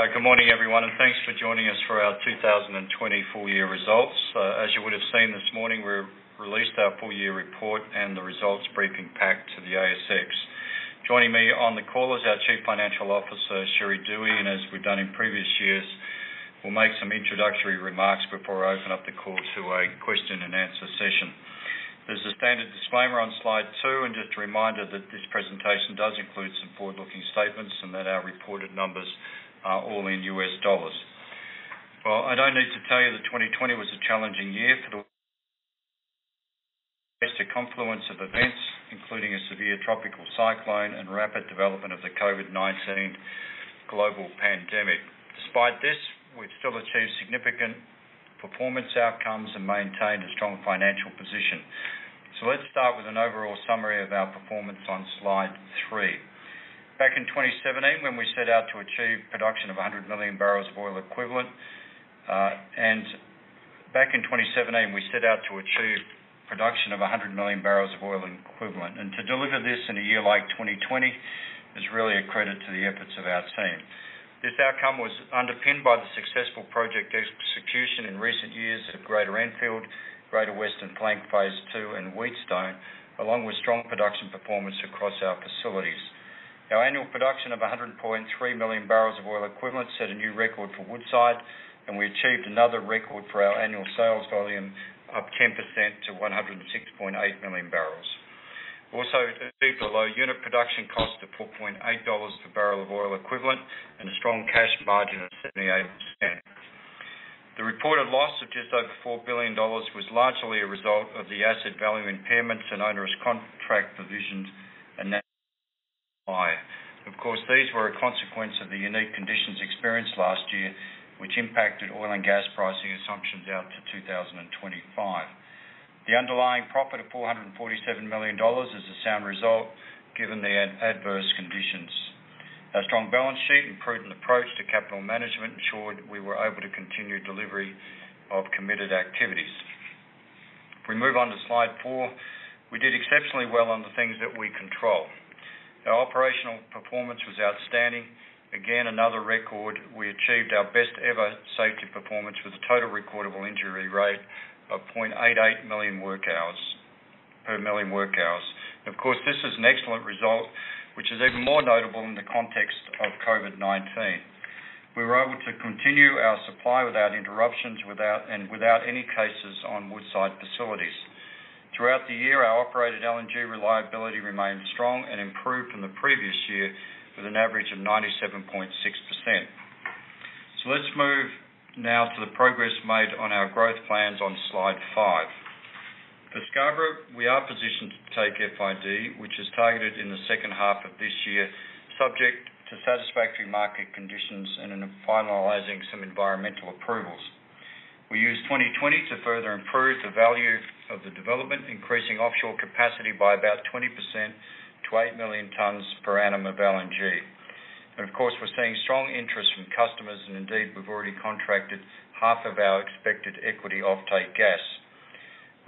Good morning, everyone, thanks for joining us for our 2020 Full-Year Results. As you would have seen this morning, we released our full-year report and the results briefing pack to the ASX. Joining me on the call is our Chief Financial Officer, Sherry Duhe, as we've done in previous years, we'll make some introductory remarks before I open up the call to a question-and-answer session. There's a standard disclaimer on slide two, just a reminder that this presentation does include some forward-looking statements and that our reported numbers are all in U.S. dollars. Well, I don't need to tell you that 2020 was a challenging year for the confluence of events, including a severe tropical cyclone and rapid development of the COVID-19 global pandemic. Despite this, we've still achieved significant performance outcomes and maintained a strong financial position. Let's start with an overall summary of our performance on slide three. Back in 2017, we set out to achieve production of 100 million barrels of oil equivalent. To deliver this in a year like 2020 is really a credit to the efforts of our team. This outcome was underpinned by the successful project execution in recent years at Greater Enfield, Greater Western Flank phase II, and Wheatstone, along with strong production performance across our facilities. Our annual production of 100.3 million barrels of oil equivalent set a new record for Woodside, and we achieved another record for our annual sales volume, up 10% to 106.8 million barrels. Achieved a low unit production cost of $4.8 per barrel of oil equivalent and a strong cash margin of 78%. The reported loss of just over $4 billion was largely a result of the asset value impairments and onerous contract provisions These were a consequence of the unique conditions experienced last year, which impacted oil and gas pricing assumptions out to 2025. The underlying profit of $447 million is a sound result given the adverse conditions. Our strong balance sheet and prudent approach to capital management ensured we were able to continue delivery of committed activities. If we move on to slide four, we did exceptionally well on the things that we control. Our operational performance was outstanding. Again, another record, we achieved our best-ever safety performance with a total recordable injury rate of 0.88 million work hours, per million work hours. This is an excellent result, which is even more notable in the context of COVID-19. We were able to continue our supply without interruptions and without any cases on Woodside facilities. Throughout the year, our operated LNG reliability remained strong and improved from the previous year with an average of 97.6%. Let's move now to the progress made on our growth plans on slide five. For Scarborough, we are positioned to take FID, which is targeted in the second half of this year, subject to satisfactory market conditions and in finalizing some environmental approvals. We used 2020 to further improve the value of the development, increasing offshore capacity by about 20% to 8 million tons per annum of LNG. Of course, we're seeing strong interest from customers, and indeed, we've already contracted half of our expected equity offtake gas.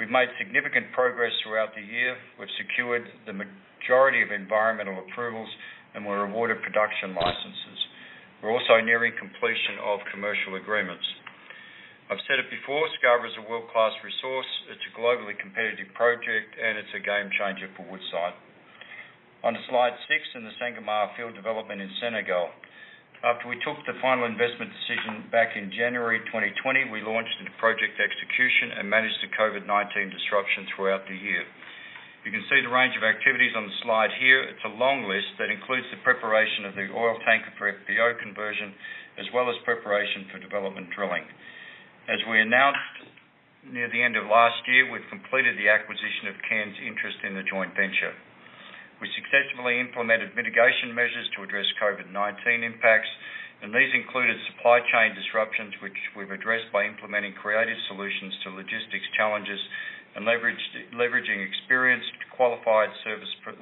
We've made significant progress throughout the year. We've secured the majority of environmental approvals and were awarded production licenses. We're also nearing completion of commercial agreements. I've said it before, Scarborough is a world-class resource. It's a globally competitive project, and it's a gamechanger for Woodside. On to slide six and the Sangomar field development in Senegal. After we took the final investment decision back in January 2020, we launched into project execution and managed the COVID-19 disruption throughout the year. You can see the range of activities on the slide here. It's a long list that includes the preparation of the oil tanker for FPSO conversion, as well as preparation for development drilling. As we announced near the end of last year, we've completed the acquisition of Cairn's interest in the joint venture. We successfully implemented mitigation measures to address COVID-19 impacts. These included supply chain disruptions, which we've addressed by implementing creative solutions to logistics challenges and leveraging experienced, qualified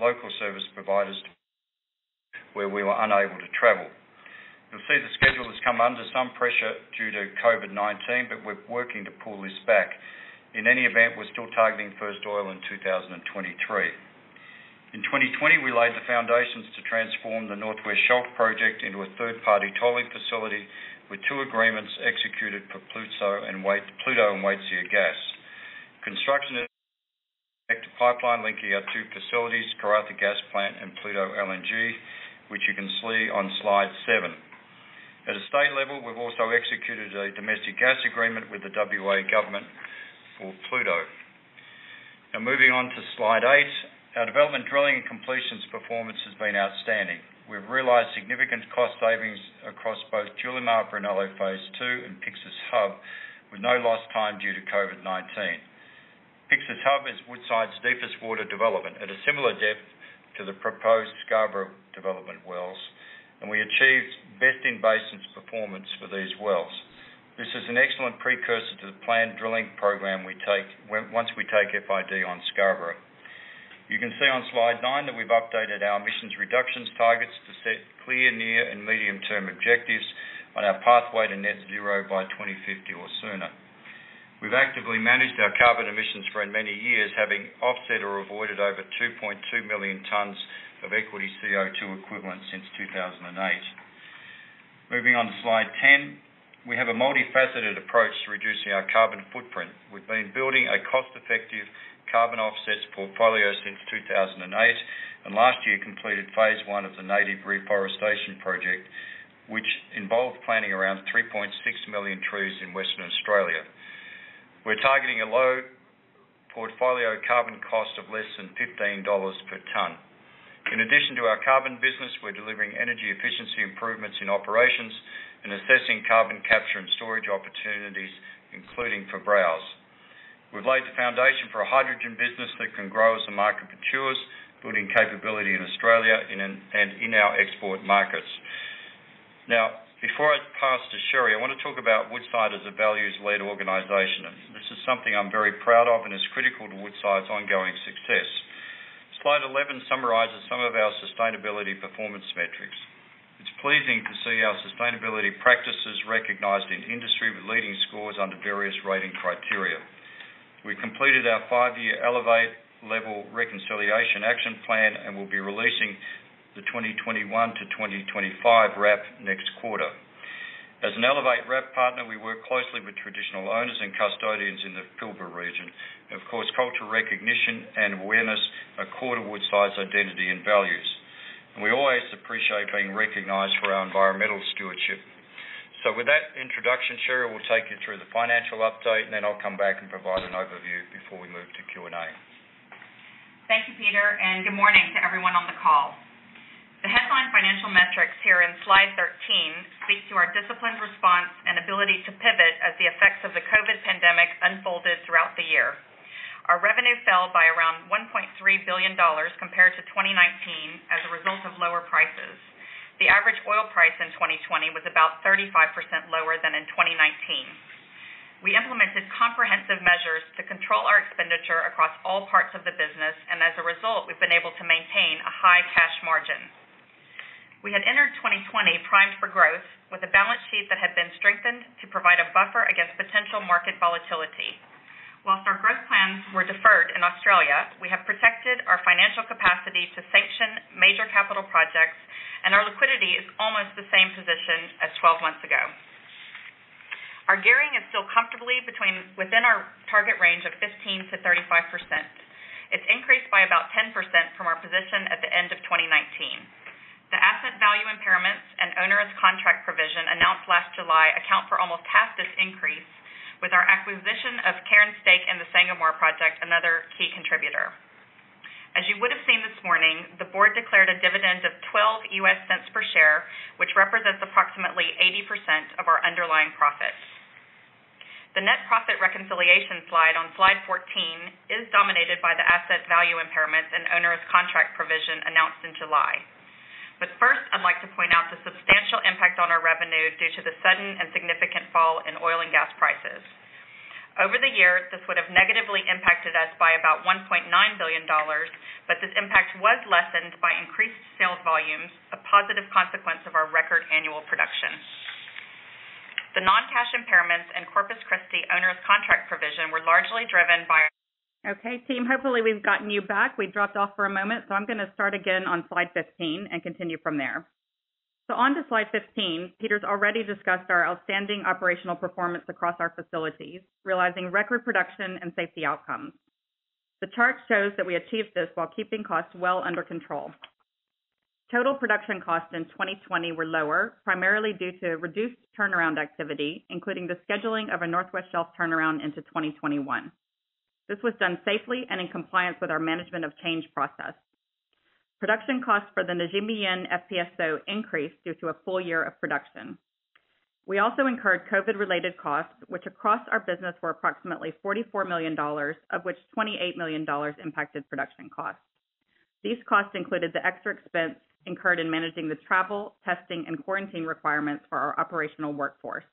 local service providers where we were unable to travel. You'll see the schedule has come under some pressure due to COVID-19. We're working to pull this back. In any event, we're still targeting first oil in 2023. In 2020, we laid the foundations to transform the North West Shelf project into a third-party tolling facility with two agreements executed for Pluto and Waitsia gas. We have a construction pipeline linking our two facilities, Karratha Gas Plant and Pluto LNG, which you can see on slide seven. At a state level, we've also executed a domestic gas agreement with the WA government for Pluto. Moving on to slide eight, our development drilling and completions performance has been outstanding. We've realized significant cost savings across both Julimar-Brunello phase II and Pyxis Hub, with no lost time due to COVID-19. Pyxis Hub is Woodside's deepest water development at a similar depth to the proposed Scarborough development wells, and we achieved best-in-basin performance for these wells. This is an excellent precursor to the planned drilling program once we take FID on Scarborough. You can see on slide nine that we've updated our emissions reductions targets to set clear near and medium-term objectives on our pathway to net zero by 2050 or sooner. We've actively managed our carbon emissions for many years, having offset or avoided over 2.2 million tons of equity CO2 equivalent since 2008. Moving on to slide 10, we have a multifaceted approach to reducing our carbon footprint. We've been building a cost-effective carbon offsets portfolio since 2008, and last year completed phase one of the native reforestation project, which involved planting around 3.6 million trees in Western Australia. We're targeting a low portfolio carbon cost of less than 15 dollars per ton. In addition to our carbon business, we're delivering energy efficiency improvements in operations and assessing carbon capture and storage opportunities, including for Browse. We've laid the foundation for a hydrogen business that can grow as the market matures, building capability in Australia and in our export markets. Now, before I pass to Sherry, I want to talk about Woodside as a values-led organization. This is something I'm very proud of and is critical to Woodside's ongoing success. Slide 11 summarizes some of our sustainability performance metrics. It's pleasing to see our sustainability practices recognized in the industry with leading scores under various rating criteria. We completed our five-year Elevate level Reconciliation Action Plan and will be releasing the 2021 to 2025 RAP next quarter. As an Elevate RAP partner, we work closely with traditional owners and custodians in the Pilbara region. Of course, cultural recognition and awareness are core to Woodside's identity and values. We always appreciate being recognized for our environmental stewardship. With that introduction, Sherry will take you through the financial update, and then I'll come back and provide an overview before we move to Q&A. Thank you, Peter, and good morning to everyone on the call. The headline financial metrics here in slide 13 speak to our disciplined response and ability to pivot as the effects of the COVID-19 pandemic unfolded throughout the year. Our revenue fell by around $1.3 billion compared to 2019 as a result of lower prices. The average oil price in 2020 was about 35% lower than in 2019. We implemented comprehensive measures to control our expenditure across all parts of the business. As a result, we've been able to maintain a high cash margin. We had entered 2020 primed for growth, with a balance sheet that had been strengthened to provide a buffer against potential market volatility. Whilst our growth plans were deferred in Australia, we have protected our financial capacity to sanction major capital projects. Our liquidity is almost the same position as 12 months ago. Our gearing is still comfortably within our target range of 15%-35%. It's increased by about 10% from our position at the end of 2019. The asset value impairments and onerous contract provision announced last July account for almost 1/2 this increase, with our acquisition of Cairn's stake in the Sangomar project, another key contributor. As you would have seen this morning, the board declared a dividend of $0.12 per share, which represents approximately 80% of our underlying profit. The net profit reconciliation slide on slide 14 is dominated by the asset value impairments and onerous contract provision announced in July. First, I'd like to point out the substantial impact on our revenue due to the sudden and significant fall in oil and gas prices. Over the year, this would have negatively impacted us by about $1.9 billion. This impact was lessened by increased sales volumes, a positive consequence of our record annual production. The non-cash impairments and Corpus Christi onerous contract provision were largely driven by. Okay, team, hopefully, we've gotten you back. We dropped off for a moment. I'm going to start again on slide 15 and continue from there. On to slide 15, Peter's already discussed our outstanding operational performance across our facilities, realizing record production and safety outcomes. The chart shows that we achieved this while keeping costs well under control. Total production costs in 2020 were lower, primarily due to reduced turnaround activity, including the scheduling of a North West Shelf turnaround into 2021. This was done safely and in compliance with our management of change process. Production costs for the Ngujima-Yin FPSO increased due to a full year of production. We also incurred COVID-related costs, which across our business were approximately $44 million, of which $28 million impacted production costs. These costs included the extra expense incurred in managing the travel, testing, and quarantine requirements for our operational workforce.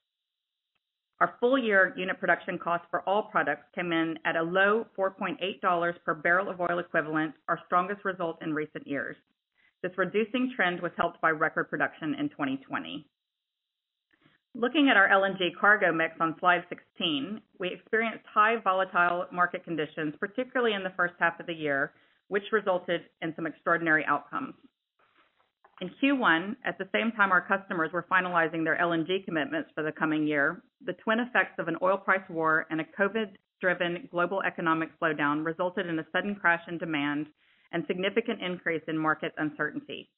Our full-year unit production costs for all products came in at a low $4.8 per barrel of oil equivalent, our strongest result in recent years. This reducing trend was helped by record production in 2020. Looking at our LNG cargo mix on slide 16, we experienced high volatile market conditions, particularly in the first half of the year, which resulted in some extraordinary outcomes. In Q1, at the same time our customers were finalizing their LNG commitments for the coming year, the twin effects of an oil price war and a COVID-driven global economic slowdown resulted in a sudden crash in demand and significant increase in market uncertainty.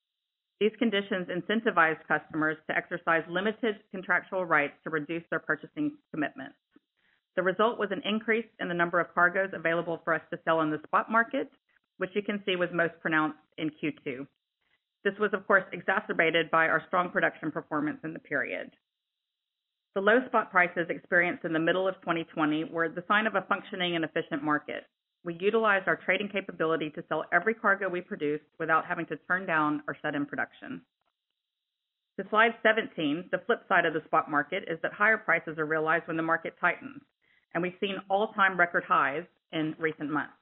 These conditions incentivized customers to exercise limited contractual rights to reduce their purchasing commitments. The result was an increase in the number of cargoes available for us to sell in the spot market, which you can see was most pronounced in Q2. This was, of course, exacerbated by our strong production performance in the period. The low spot prices experienced in the middle of 2020 were the sign of a functioning and efficient market. We utilized our trading capability to sell every cargo we produced without having to turn down or shut in production. To slide 17, the flip side of the spot market is that higher prices are realized when the market tightens, and we've seen all-time record highs in recent months.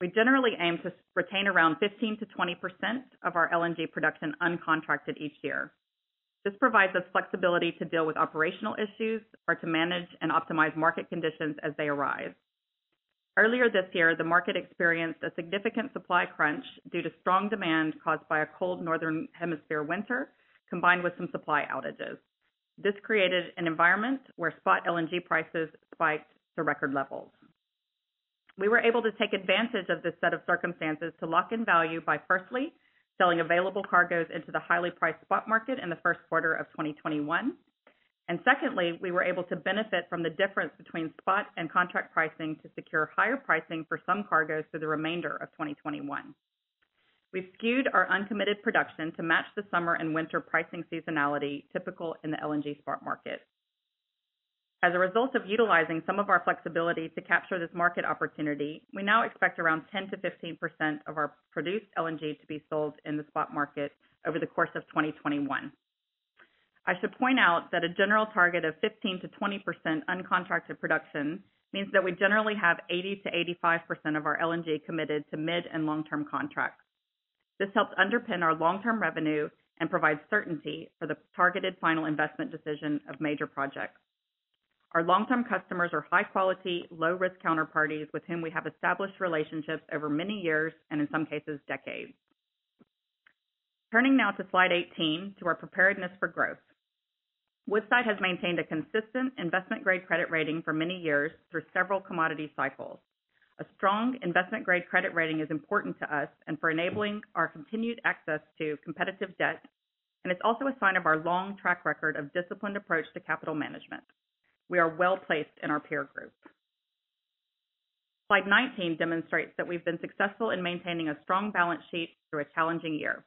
We generally aim to retain around 15%-20% of our LNG production uncontracted each year. This provides us flexibility to deal with operational issues or to manage and optimize market conditions as they arise. Earlier this year, the market experienced a significant supply crunch due to strong demand caused by a cold Northern Hemisphere winter, combined with some supply outages. This created an environment where spot LNG prices spiked to record levels. We were able to take advantage of this set of circumstances to lock in value by firstly, selling available cargoes into the highly priced spot market in the first quarter of 2021. Secondly, we were able to benefit from the difference between spot and contract pricing to secure higher pricing for some cargoes through the remainder of 2021. We've skewed our uncommitted production to match the summer and winter pricing seasonality typical in the LNG spot market. As a result of utilizing some of our flexibility to capture this market opportunity, we now expect around 10%-15% of our produced LNG to be sold in the spot market over the course of 2021. I should point out that a general target of 15%-20% uncontracted production means that we generally have 80%-85% of our LNG committed to mid and long-term contracts. This helps underpin our long-term revenue and provides certainty for the targeted final investment decision of major projects. Our long-term customers are high-quality, low-risk counterparties with whom we have established relationships over many years and in some cases, decades. Turning now to slide 18, to our preparedness for growth. Woodside has maintained a consistent investment-grade credit rating for many years through several commodity cycles. A strong investment-grade credit rating is important to us and for enabling our continued access to competitive debt, and it's also a sign of our long track record of disciplined approach to capital management. We are well-placed in our peer group. Slide 19 demonstrates that we've been successful in maintaining a strong balance sheet through a challenging year.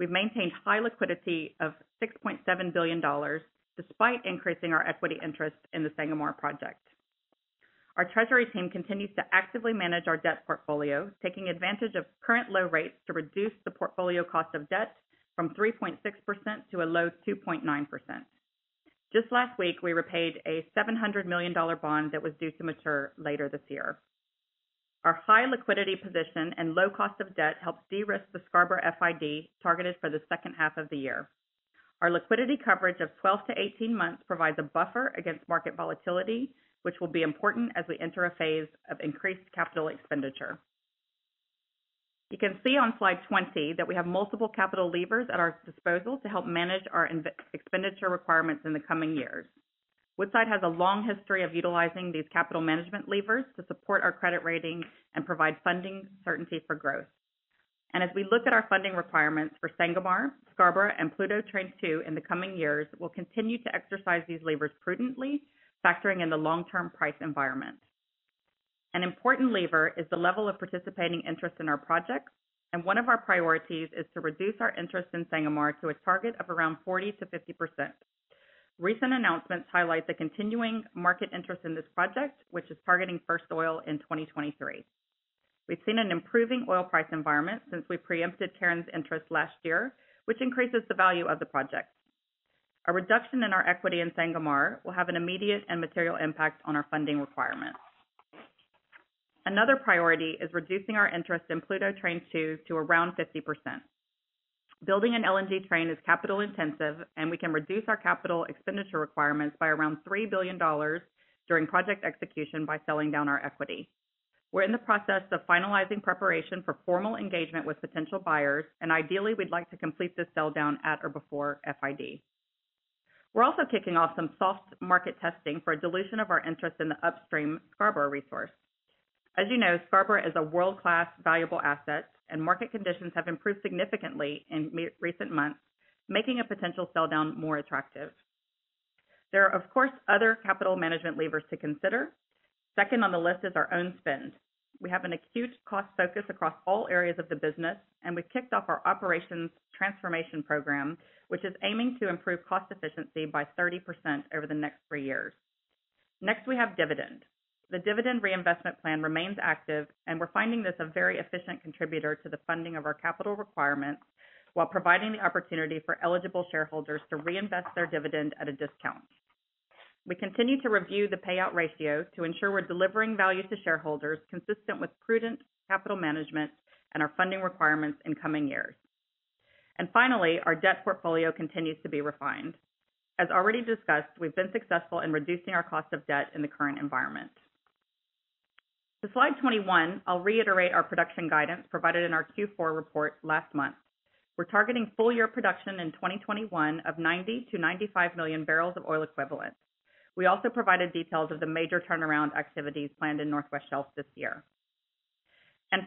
We've maintained high liquidity of $6.7 billion, despite increasing our equity interest in the Sangomar project. Our treasury team continues to actively manage our debt portfolio, taking advantage of current low rates to reduce the portfolio cost of debt from 3.6% to a low 2.9%. Just last week, we repaid a $700 million bond that was due to mature later this year. Our high liquidity position and low cost of debt helps de-risk the Scarborough FID targeted for the second half of the year. Our liquidity coverage of 12-18 months provides a buffer against market volatility, which will be important as we enter a phase of increased capital expenditure. You can see on slide 20 that we have multiple capital levers at our disposal to help manage our expenditure requirements in the coming years. Woodside has a long history of utilizing these capital management levers to support our credit rating and provide funding certainty for growth. As we look at our funding requirements for Sangomar, Scarborough, and Pluto Train 2 in the coming years, we'll continue to exercise these levers prudently, factoring in the long-term price environment. An important lever is the level of participating interest in our projects, and one of our priorities is to reduce our interest in Sangomar to a target of around 40%-50%. Recent announcements highlight the continuing market interest in this project, which is targeting first oil in 2023. We've seen an improving oil price environment since we preempted Cairn's interest last year, which increases the value of the project. A reduction in our equity in Sangomar will have an immediate and material impact on our funding requirement. Another priority is reducing our interest in Pluto Train 2 to around 50%. Building an LNG train is capital-intensive, and we can reduce our capital expenditure requirements by around $3 billion during project execution by selling down our equity. We're in the process of finalizing preparation for formal engagement with potential buyers, and ideally, we'd like to complete this sell down at or before FID. We're also kicking off some soft market testing for a dilution of our interest in the upstream Scarborough resource. As you know, Scarborough is a world-class valuable asset, and market conditions have improved significantly in recent months, making a potential sell-down more attractive. There are, of course, other capital management levers to consider. Second on the list is our own spend. We have an acute cost focus across all areas of the business, and we've kicked off our operations transformation program, which is aiming to improve cost efficiency by 30% over the next three years. Next, we have dividend. The dividend reinvestment plan remains active, we're finding this a very efficient contributor to the funding of our capital requirements while providing the opportunity for eligible shareholders to reinvest their dividend at a discount. We continue to review the payout ratio to ensure we're delivering value to shareholders consistent with prudent capital management and our funding requirements in coming years. Finally, our debt portfolio continues to be refined. As already discussed, we've been successful in reducing our cost of debt in the current environment. To slide 21, I'll reiterate our production guidance provided in our Q4 report last month. We're targeting full-year production in 2021 of 90 million-95 million barrels of oil equivalent. We also provided details of the major turnaround activities planned in North West Shelf this year.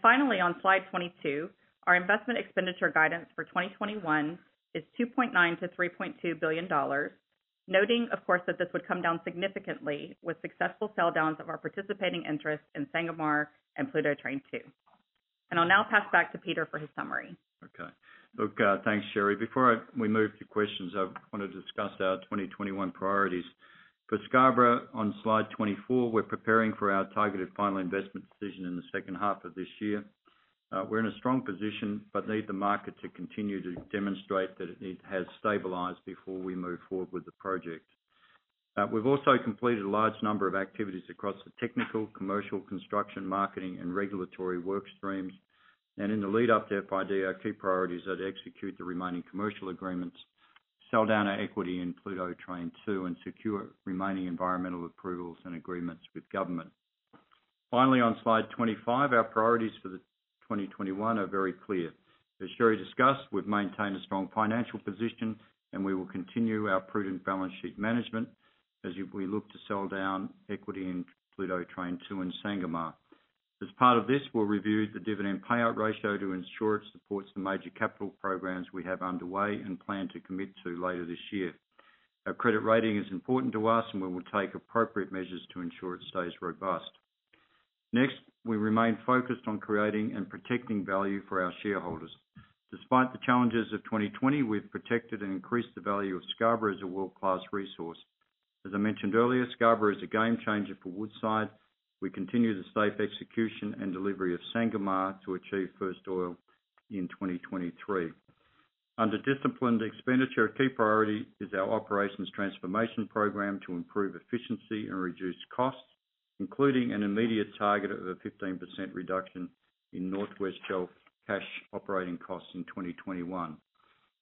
Finally, on slide 22, our investment expenditure guidance for 2021 is $2.9 billion-$3.2 billion. Noting, of course, that this would come down significantly with successful sell downs of our participating interest in Sangomar and Pluto Train 2. I'll now pass back to Peter for his summary. Okay. Look, thanks, Sherry. Before we move to questions, I want to discuss our 2021 priorities. For Scarborough on slide 24, we're preparing for our targeted final investment decision in the second half of this year. We're in a strong position, but need the market to continue to demonstrate that it has stabilized before we move forward with the project. We've also completed a large number of activities across the technical, commercial, construction, marketing, and regulatory work streams. In the lead up to FID, our key priorities are to execute the remaining commercial agreements, sell down our equity in Pluto Train 2, and secure remaining environmental approvals and agreements with government. Finally, on slide 25, our priorities for 2021 are very clear. As Sherry discussed, we've maintained a strong financial position, and we will continue our prudent balance sheet management as we look to sell down equity in Pluto Train 2 and Sangomar. As part of this, we'll review the dividend payout ratio to ensure it supports the major capital programs we have underway and plan to commit to later this year. Our credit rating is important to us, and we will take appropriate measures to ensure it stays robust. Next, we remain focused on creating and protecting value for our shareholders. Despite the challenges of 2020, we've protected and increased the value of Scarborough as a world-class resource. As I mentioned earlier, Scarborough is a game changer for Woodside. We continue the safe execution and delivery of Sangomar to achieve first oil in 2023. Under disciplined expenditure, a key priority is our operations transformation program to improve efficiency and reduce costs, including an immediate target of a 15% reduction in North West Shelf cash operating costs in 2021.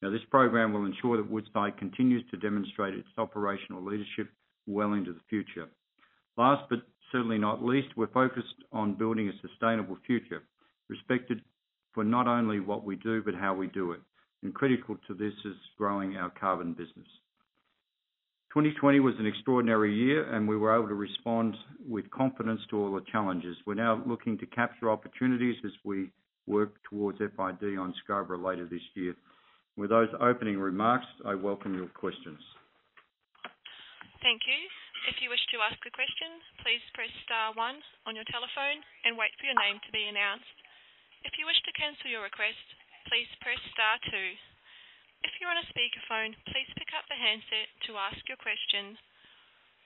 Now, this program will ensure that Woodside continues to demonstrate its operational leadership well into the future. Last, but certainly not least, we're focused on building a sustainable future, respected for not only what we do, but how we do it. Critical to this is growing our carbon business. 2020 was an extraordinary year, and we were able to respond with confidence to all the challenges. We're now looking to capture opportunities as we work towards FID on Scarborough later this year. With those opening remarks, I welcome your questions. Thank you. If you wish to ask a question, please press star one on your telephone and wait for your name to be announced. If you wish to cancel your request, please press star two. If you're on a speakerphone, please pick up the handset to ask your question.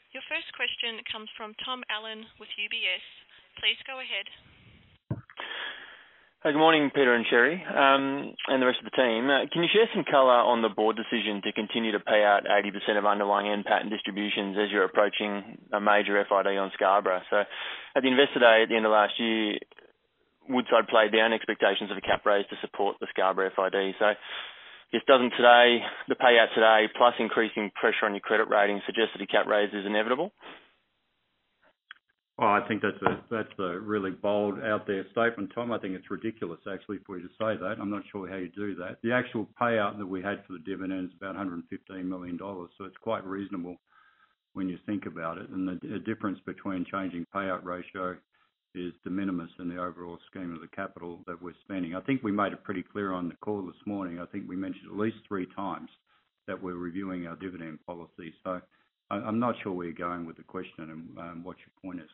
Your first question comes from Tom Allen with UBS. Please go ahead. Good morning, Peter and Sherry, and the rest of the team. Can you share some color on the board decision to continue to pay out 80% of underlying and [patent] distributions as you're approaching a major FID on Scarborough? At the Investor Day at the end of last year, Woodside played down expectations of a cap raise to support the Scarborough FID. Doesn't the payout today, plus increasing pressure on your credit rating, suggest that a cap raise is inevitable? Well, I think that's a really bold, out there statement, Tom. I think it's ridiculous, actually, for you to say that. I'm not sure how you do that. The actual payout that we had for the dividend is about $115 million. It's quite reasonable when you think about it. The difference between changing payout ratio is de minimis in the overall scheme of the capital that we're spending. I think we made it pretty clear on the call this morning. I think we mentioned at least 3x that we're reviewing our dividend policy. I'm not sure where you're going with the question and what your point is.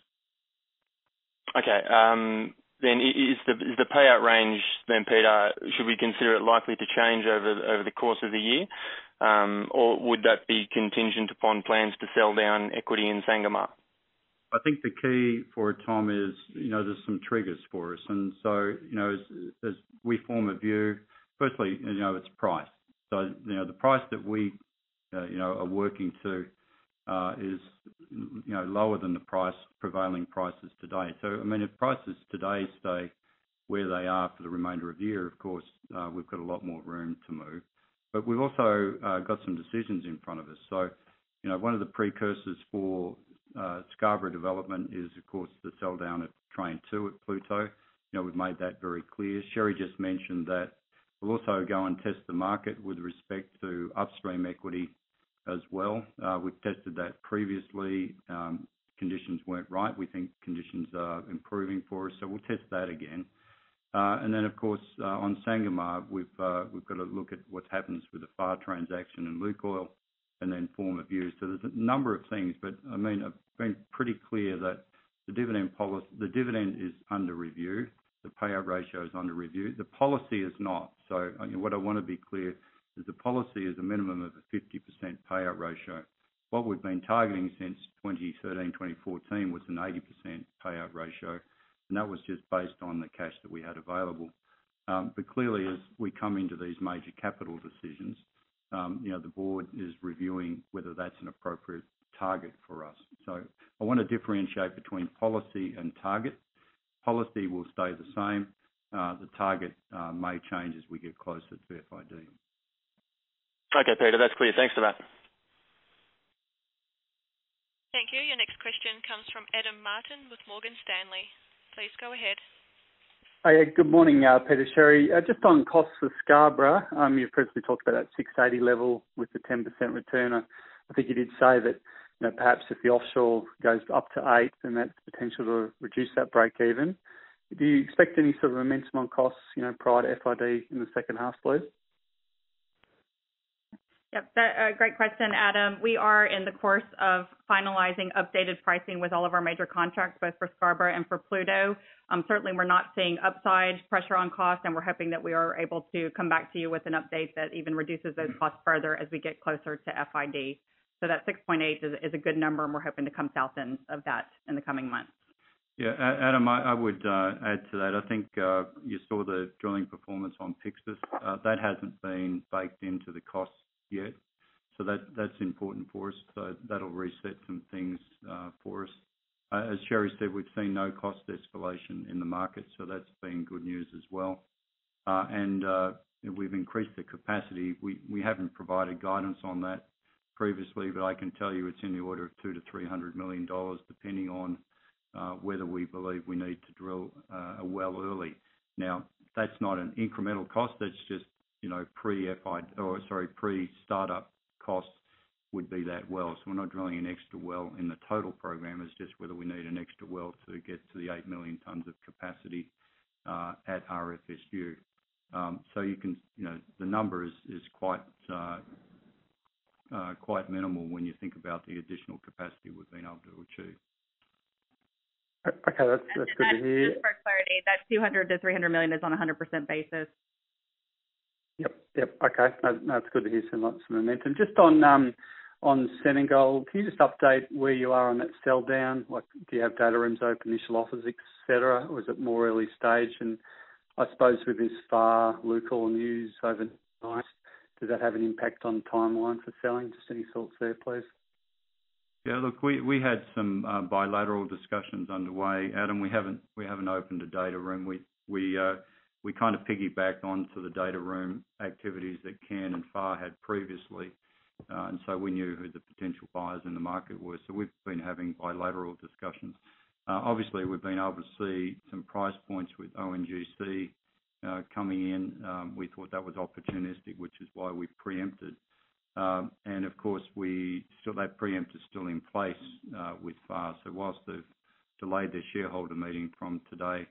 Okay. Is the payout range then, Peter, should we consider it likely to change over the course of the year? Or would that be contingent upon plans to sell down equity in Sangomar? I think the key for it, Tom, is there are some triggers for us. As we form a view, firstly, it's price. The price that we are working to is lower than the prevailing prices today. If prices today stay where they are for the remainder of the year, of course, we've got a lot more room to move. We've also got some decisions in front of us. One of the precursors for Scarborough development is, of course, the sell down at Train 2 at Pluto. We've made that very clear. Sherry just mentioned that we'll also go and test the market with respect to upstream equity as well. We've tested that previously. Conditions weren't right. We think conditions are improving for us, we'll test that again. Of course, on Sangomar, we've got to look at what happens with the FAR transaction and LUKOIL and then form a view. There are a number of things, but I've been pretty clear that the dividend is under review. The payout ratio is under review. The policy is not. What I want to be clear is the policy is a minimum of a 50% payout ratio. What we've been targeting since 2013, 2014 was an 80% payout ratio, and that was just based on the cash that we had available. Clearly, as we come into these major capital decisions, the board is reviewing whether that's an appropriate target for us. I want to differentiate between policy and target. Policy will stay the same. The target may change as we get closer to FID. Okay, Peter. That's clear. Thanks for that. Thank you. Your next question comes from Adam Martin with Morgan Stanley. Please go ahead. Hi. Good morning, Peter, Sherry. Just on costs of Scarborough, you previously talked about that $6.80 level with the 10% return. I think you did say that perhaps if the offshore goes up to eight, that potentially will reduce that break even. Do you expect any sort of momentum on costs prior to FID in the second half, please? Yep. Great question, Adam. We are in the course of finalizing updated pricing with all of our major contracts, both for Scarborough and for Pluto. Certainly, we're not seeing upside pressure on cost, and we're hoping that we are able to come back to you with an update that even reduces those costs further as we get closer to FID. That 6.8 is a good number, and we're hoping to come south of that in the coming months. Yeah. Adam, I would add to that. I think you saw the drilling performance on Pyxis. That hasn't been baked into the costs yet. That's important for us. That'll reset some things for us. As Sherry said, we've seen no cost escalation in the market, so that's been good news as well. We've increased the capacity. We haven't provided guidance on that previously, but I can tell you it's in the order of $200 million-$300 million, depending on whether we believe we need to drill a well early. Now, that's not an incremental cost. That's just pre-startup costs would be that well. We're not drilling an extra well in the total program. It's just whether we need an extra well to get to the 8 million tons of capacity at our FSU. The number is quite minimal when you think about the additional capacity we've been able to achieve. Okay. That's good to hear. Just for clarity, that $200 million-$300 million is on 100% basis. Yep. Okay. No, it's good to hear some momentum. Just on Senegal, can you just update where you are on that sell down? Do you have data rooms open, initial offers, et cetera, or is it more early stage? I suppose with this FAR LUKOIL news overnight, does that have an impact on timeline for selling? Just any thoughts there, please? Yeah, look, we had some bilateral discussions underway, Adam. We haven't opened a data room. We kind of piggyback onto the data room activities that Cairn and Far had previously. We knew who the potential buyers in the market were. We've been having bilateral discussions. Obviously, we've been able to see some price points with ONGC coming in. We thought that was opportunistic, which is why we preempted. Of course, that preempt is still in place with Far. Whilst they've delayed their shareholder meeting from today,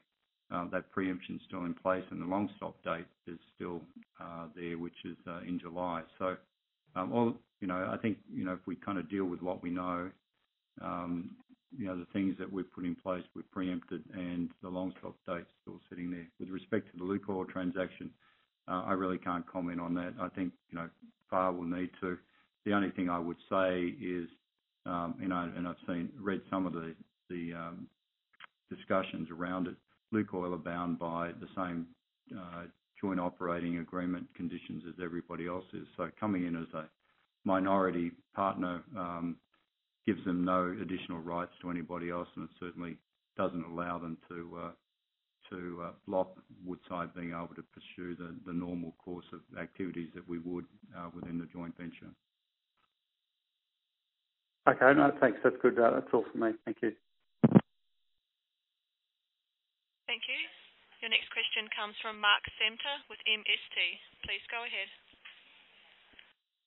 that preemption is still in place and the long stop date is still there, which is in July. I think, if we deal with what we know, the things that we've put in place, we preempted, and the long stop date is still sitting there. With respect to the Lukoil transaction, I really can't comment on that. I think FAR will need to. The only thing I would say is, and I've read some of the discussions around it. Lukoil are bound by the same joint operating agreement conditions as everybody else is. Coming in as a minority partner gives them no additional rights to anybody else, and it certainly doesn't allow them to block Woodside being able to pursue the normal course of activities that we would within the joint venture. Okay. No, thanks. That's good. That's all for me. Thank you. Thank you. Your next question comes from Mark Samter with MST. Please go ahead.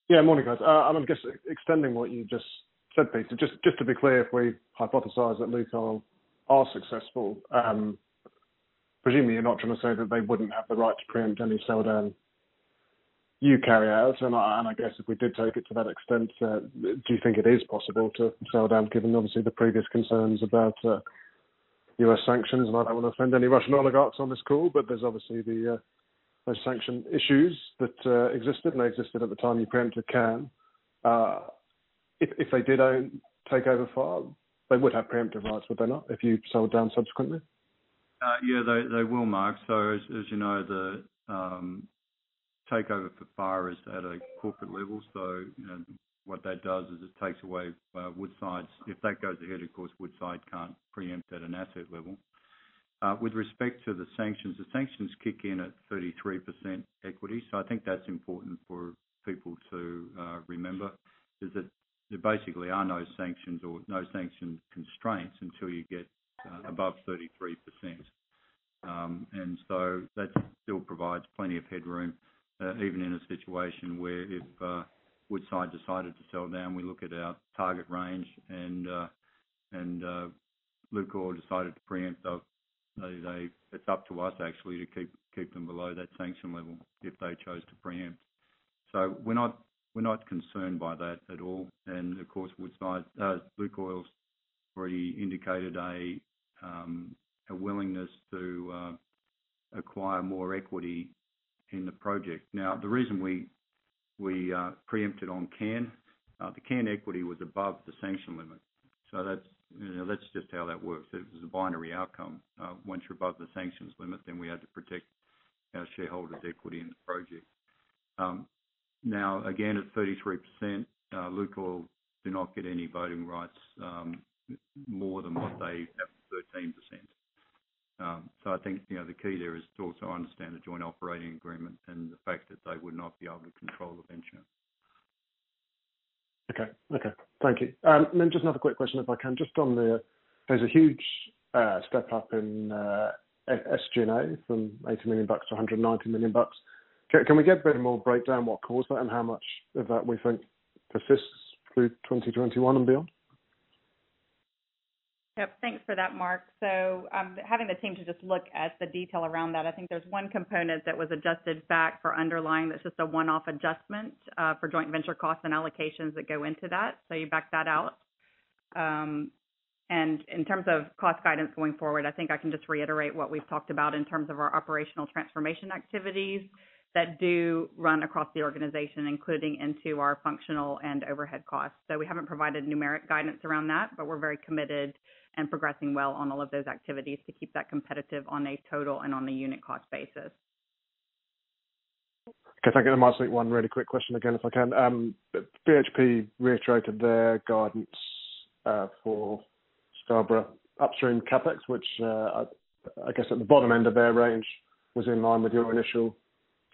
Yeah. Morning, guys. Adam, just extending what you just said, Peter. Just to be clear, if we hypothesize that Lukoil are successful, presumably you're not trying to say that they wouldn't have the right to preempt any sell down you carry out. I guess if we did take it to that extent, do you think it is possible to sell down, given, obviously, the previous concerns about U.S. sanctions? I don't want to offend any Russian oligarchs on this call, but there's obviously those sanction issues that existed, and they existed at the time you preempted Cairn. If they did take over FAR, they would have preemptive rights, would they not, if you sold down subsequently? Yeah, they will, Mark. As you know, the takeover for FAR is at a corporate level. What that does is it takes away if that goes ahead, of course, Woodside can't preempt at an asset level. With respect to the sanctions, the sanctions kick in at 33% equity. I think that's important for people to remember is that there basically are no sanctions or no sanction constraints until you get above 33%. That still provides plenty of headroom, even in a situation where if Woodside decided to sell down, we look at our target range and Lukoil decided to preempt, it's up to us actually to keep them below that sanction level if they chose to preempt. We're not concerned by that at all. Of course, Lukoil has already indicated a willingness to acquire more equity in the project. The reason we preempted on Cairn, the Cairn equity was above the sanction limit. That's just how that works. It was a binary outcome. Once you're above the sanctions limit, we had to protect our shareholders' equity in the project. Again, at 33%, Lukoil do not get any voting rights more than what they have, 13%. I think, the key there is to also understand the joint operating agreement and the fact that they would not be able to control the venture. Okay. Thank you. Just another quick question, if I can. There's a huge step up in SG&A from $80 million to $190 million. Can we get a bit more breakdown what caused that and how much of that we think persists through 2021 and beyond? Yep. Thanks for that, Mark. Having the team to just look at the detail around that, I think there's one component that was adjusted back for underlying. That's just a one-off adjustment for joint venture costs and allocations that go into that. You back that out. In terms of cost guidance going forward, I think I can just reiterate what we've talked about in terms of our operational transformation activities that do run across the organization, including into our functional and overhead costs. We haven't provided numeric guidance around that, but we're very committed and progressing well on all of those activities to keep that competitive on a total and on a unit cost basis. Okay, thank you. I might ask one really quick question again, if I can. BHP reiterated their guidance for Scarborough upstream CapEx, which I guess at the bottom end of their range was in line with your initial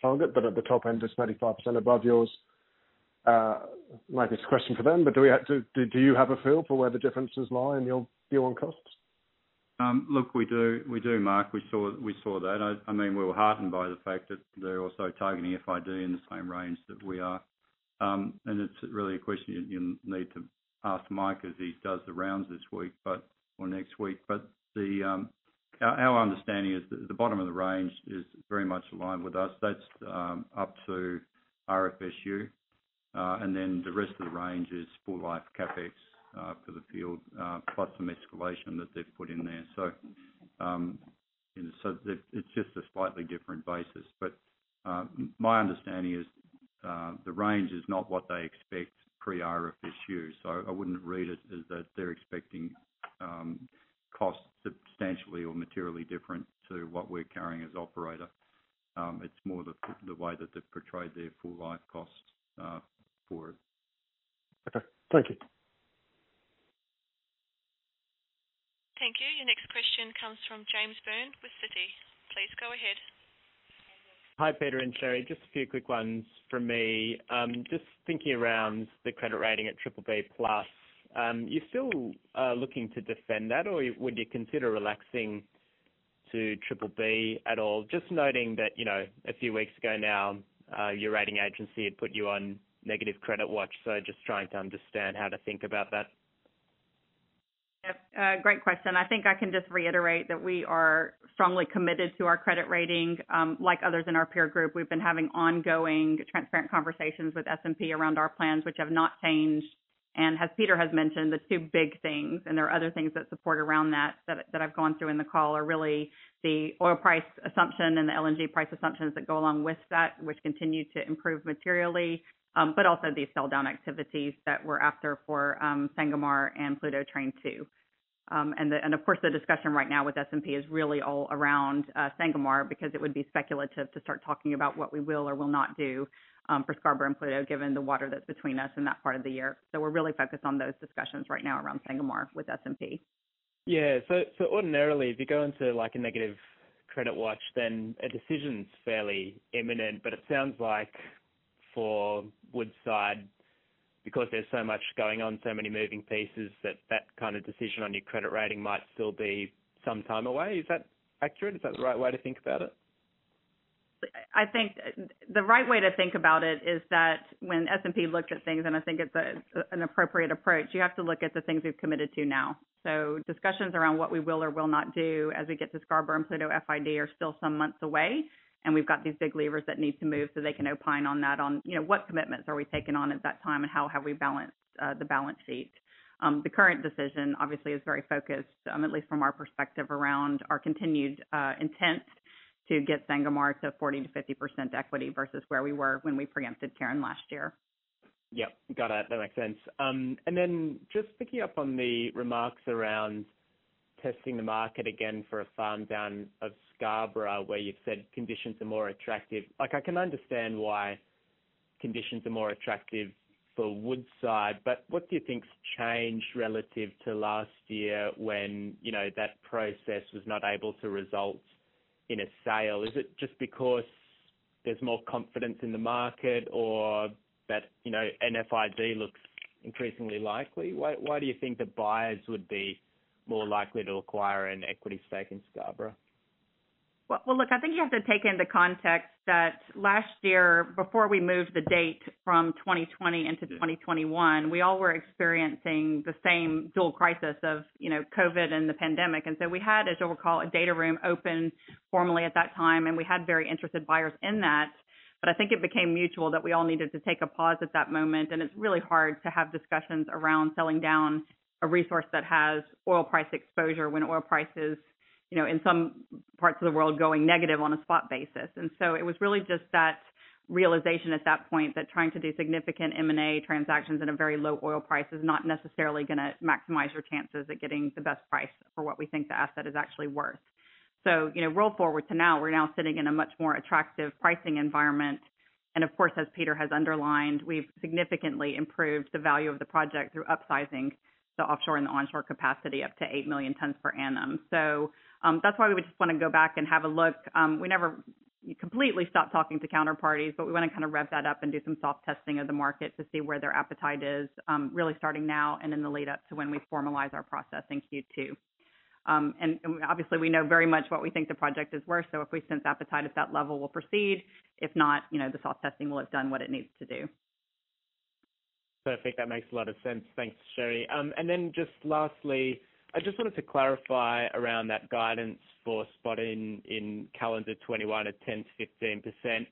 target, but at the top end, it's 35% above yours. Maybe it's a question for them, but do you have a feel for where the differences lie in your view on costs? Look, we do, Mark. We saw that. We were heartened by the fact that they're also targeting FID in the same range that we are. It's really a question you need to ask Mike as he does the rounds this week or next week. Our understanding is that the bottom of the range is very much aligned with us. That's up to RFSU, the rest of the range is full life CapEx for the field, plus some escalation that they've put in there. It's just a slightly different basis. My understanding is the range is not what they expect pre RFSU. I wouldn't read it as that they're expecting costs substantially or materially different to what we're carrying as operator. It's more the way that they've portrayed their full life costs for it. Okay. Thank you. Thank you. Your next question comes from James Byrne with Citi. Please go ahead. Hi, Peter and Sherry. Just a few quick ones from me. Just thinking around the credit rating at BBB+. You're still looking to defend that, or would you consider relaxing to BBB at all? Just noting that, a few weeks ago now, your rating agency had put you on negative credit watch. Just trying to understand how to think about that. Yep. Great question. I think I can just reiterate that we are strongly committed to our credit rating. Like others in our peer group, we've been having ongoing, transparent conversations with S&P around our plans, which have not changed. As Peter has mentioned, the two big things, and there are other things that support around that I've gone through in the call are really the oil price assumption and the LNG price assumptions that go along with that, which continue to improve materially. Also, these sell-down activities that we're after for Sangomar and Pluto Train 2. Of course, the discussion right now with S&P is really all around Sangomar because it would be speculative to start talking about what we will or will not do for Scarborough and Pluto, given the water that's between us and that part of the year. We're really focused on those discussions right now around Sangomar with S&P. Yeah. Ordinarily, if you go into a negative credit watch, then a decision's fairly imminent. It sounds like for Woodside, because there's so much going on, so many moving pieces, that that kind of decision on your credit rating might still be some time away. Is that accurate? Is that the right way to think about it? I think the right way to think about it is that when S&P looked at things, and I think it's an appropriate approach, you have to look at the things we've committed to now. Discussions around what we will or will not do as we get to Scarborough and Pluto FID are still some months away, and we've got these big levers that need to move so they can opine on that on what commitments are we taking on at that time and how have we balanced the balance sheet. The current decision obviously is very focused, at least from our perspective, around our continued intent to get Sangomar to 40%-50% equity versus where we were when we preempted Cairn last year. Yep. Got it. That makes sense. Then just picking up on the remarks around testing the market again for a farm down of Scarborough, where you've said conditions are more attractive. I can understand why conditions are more attractive for Woodside, but what do you think has changed relative to last year when that process was not able to result in a sale? Is it just because there's more confidence in the market or that an FID looks increasingly likely? Why do you think that buyers would be more likely to acquire an equity stake in Scarborough? Well, look, I think you have to take into context that last year, before we moved the date from 2020 into 2021, we all were experiencing the same dual crisis of COVID-19 and the pandemic. So we had, as you'll recall, a data room open formally at that time, and we had very interested buyers in that. I think it became mutual that we all needed to take a pause at that moment, and it's really hard to have discussions around selling down a resource that has oil price exposure when oil price is, in some parts of the world, going negative on a spot basis. It was really just that realization at that point that trying to do significant M&A transactions at a very low oil price is not necessarily going to maximize your chances at getting the best price for what we think the asset is actually worth. Roll forward to now, we're now sitting in a much more attractive pricing environment. Of course, as Peter has underlined, we've significantly improved the value of the project through upsizing the offshore and the onshore capacity up to 8 million tons per annum. That's why we would just want to go back and have a look. We never completely stopped talking to counterparties, but we want to kind of rev that up and do some soft testing of the market to see where their appetite is, really starting now and in the lead-up to when we formalize our process in Q2. Obviously, we know very much what we think the project is worth. If we sense appetite at that level, we'll proceed. If not, the soft testing will have done what it needs to do. Perfect. That makes a lot of sense. Thanks, Sherry. Just lastly, I just wanted to clarify around that guidance for spotting in calendar 2021 at 10%-15%.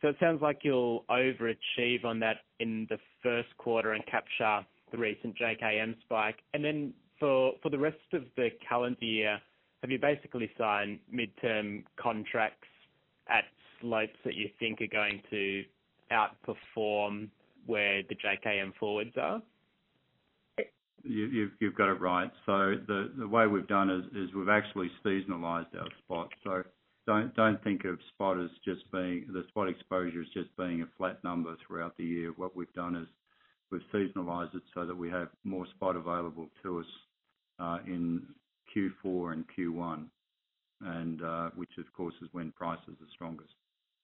It sounds like you'll overachieve on that in the first quarter and capture the recent JKM spike. For the rest of the calendar year, have you basically signed midterm contracts at slopes that you think are going to outperform where the JKM forwards are? You've got it right. The way we've done it is we've actually seasonalized our spot. Don't think of the spot exposure as just being a flat number throughout the year. What we've done is we've seasonalized it so that we have more spot available to us in Q4 and Q1, which, of course, is when price is the strongest.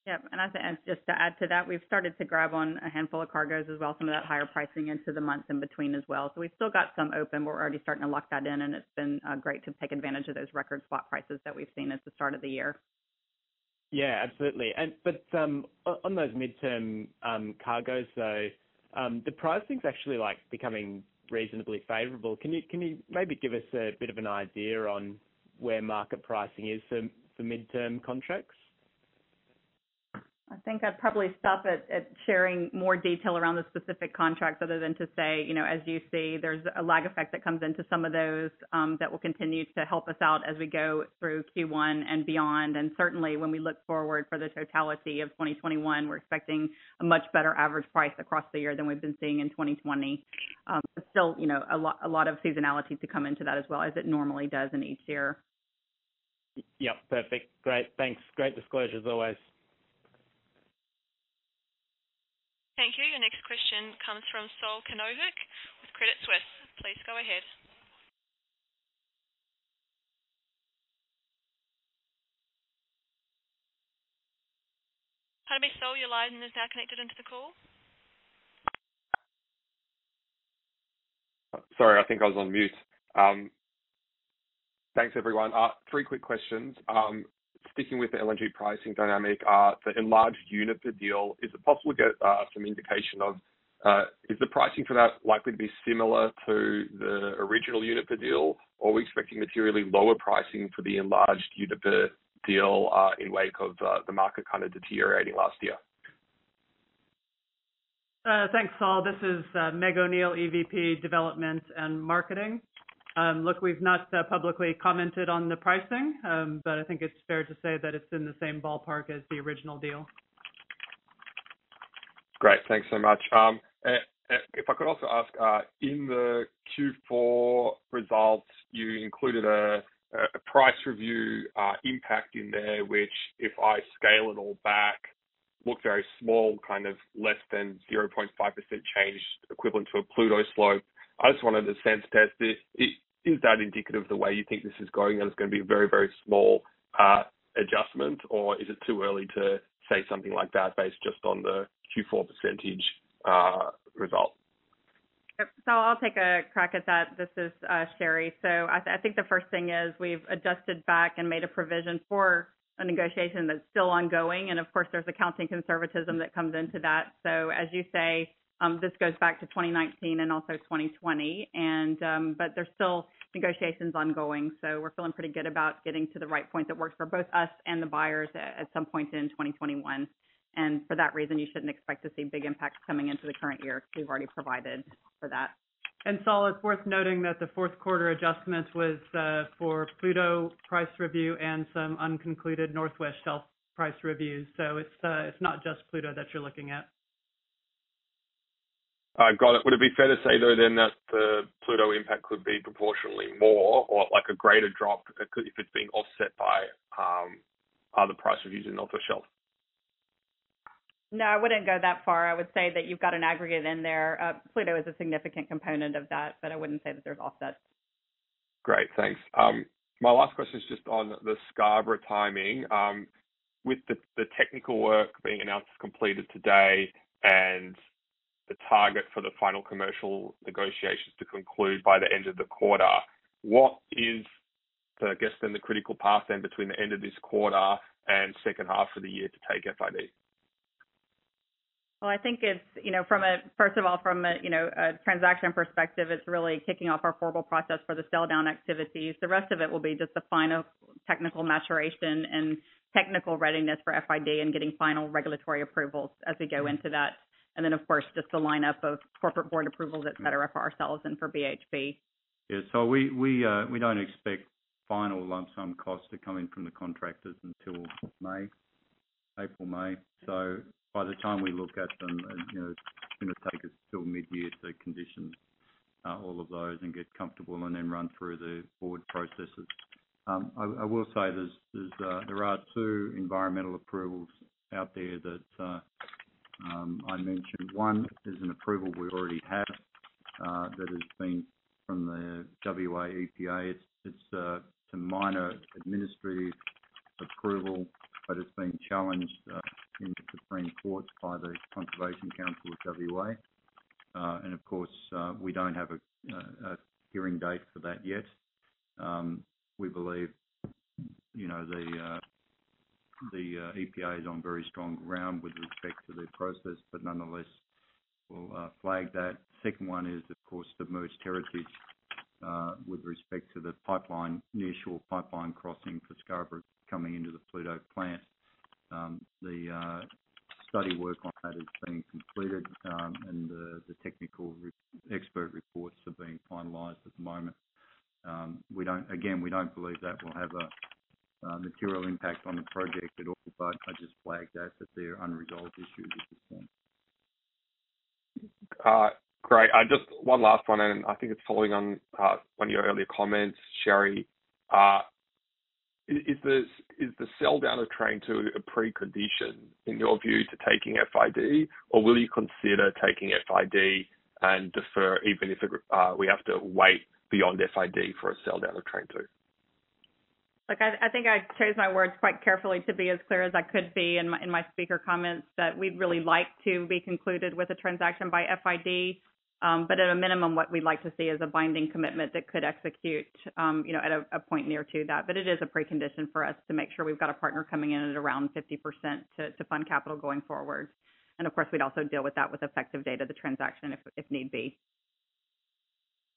Yep. Just to add to that, we've started to grab on a handful of cargoes as well, some of that higher pricing into the months in between as well. We've still got some open. We're already starting to lock that in, and it's been great to take advantage of those record spot prices that we've seen at the start of the year. Yeah, absolutely. On those midterm cargoes, the pricing is actually becoming reasonably favorable. Can you maybe give us a bit of an idea on where market pricing is for midterm contracts? I think I'd probably stop at sharing more detail around the specific contracts other than to say, as you see, there's a lag effect that comes into some of those that will continue to help us out as we go through Q1 and beyond. Certainly, when we look forward for the totality of 2021, we're expecting a much better average price across the year than we've been seeing in 2020. Still, a lot of seasonality to come into that as well as it normally does in each year. Yep. Perfect. Great. Thanks. Great disclosure as always. Thank you. Your next question comes from Saul Kavonic with Credit Suisse. Please go ahead. Pardon me, Saul, your line is now connected into the call. Sorry, I think I was on mute. Thanks, everyone. Three quick questions. Sticking with the LNG pricing dynamic, the enlarged Uniper deal, is it possible to get some indication of is the pricing for that likely to be similar to the original Uniper deal? Or are we expecting materially lower pricing for the enlarged Uniper deal in wake of the market kind of deteriorating last year? Thanks, Saul. This is Meg O'Neill, EVP, Development and Marketing. Look, we've not publicly commented on the pricing, I think it's fair to say that it's in the same ballpark as the original deal. Great. Thanks so much. If I could also ask, in the Q4 results, you included a price review impact in there, which, if I scale it all back, looked very small, kind of less than 0.5% change equivalent to a Pluto slope. I just wanted to sense test it. Is that indicative of the way you think this is going, that it is going to be a very small adjustment, or is it too early to say something like that based just on the Q4 percentage result? Saul, I'll take a crack at that. This is Sherry. I think the first thing is we've adjusted back and made a provision for a negotiation that's still ongoing. Of course, there's accounting conservatism that comes into that. As you say, this goes back to 2019 and also 2020. There're still negotiations ongoing, so we're feeling pretty good about getting to the right point that works for both us and the buyers at some point in 2021. For that reason, you shouldn't expect to see big impacts coming into the current year. We've already provided for that. Saul, it's worth noting that the fourth quarter adjustment was for Pluto price review and some unconcluded Northwest Shelf price reviews. It's not just Pluto that you're looking at. Got it. Would it be fair to say, though, that the Pluto impact could be proportionally more or a greater drop if it's being offset by other price reviews in North Shelf? No, I wouldn't go that far. I would say that you've got an aggregate in there. Pluto is a significant component of that, but I wouldn't say that they're offset. Great, thanks. My last question is just on the Scarborough timing. With the technical work being announced as completed today and the target for the final commercial negotiations to conclude by the end of the quarter, what is, I guess, then the critical path then between the end of this quarter and second half of the year to take FID? First of all, from a transaction perspective, it's really kicking off our formal process for the sell-down activities. The rest of it will be just the final technical maturation and technical readiness for FID and getting final regulatory approvals as we go into that. Of course, just the lineup of corporate board approvals that are for ourselves and for BHP. Yeah. We don't expect final lump sum costs to come in from the contractors until April, May. By the time we look at them, it's going to take us till mid-year to condition all of those and get comfortable and then run through the board processes. I will say there are two environmental approvals out there that I mentioned. One is an approval we already have. That has been from the WA EPA. It's a minor administrative approval, but it's being challenged in the Supreme Court by the Conservation Council of WA. Of course, we don't have a hearing date for that yet. We believe the EPA is on very strong ground with respect to their process, nonetheless, we'll flag that. Second one is, of course, the Murujuga Heritage with respect to the nearshore pipeline crossing for Scarborough coming into the Pluto plant. The study work on that is being completed, and the technical expert reports are being finalized at the moment. Again, we don't believe that will have a material impact on the project at all, but I just flag that there are unresolved issues at this point. Great. Just one last one, I think it's following on one of your earlier comments, Sherry. Is the sell down of Train 2 a precondition, in your view, to taking FID, or will you consider taking FID and defer even if we have to wait beyond FID for a sell down of Train 2? Look, I think I chose my words quite carefully to be as clear as I could be in my speaker comments that we'd really like to be concluded with a transaction by FID. At a minimum, what we'd like to see is a binding commitment that could execute at a point near to that. It is a precondition for us to make sure we've got a partner coming in at around 50% to fund capital going forward. Of course, we'd also deal with that with effective date of the transaction if need be.